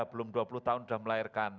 belum dua puluh tahun sudah melahirkan